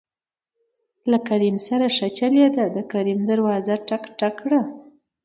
له کريم سره ښه چلېده د کريم دروازه ټک، ټک کړه.